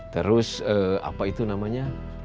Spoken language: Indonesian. terus apa itu namanya